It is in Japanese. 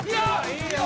いいよ！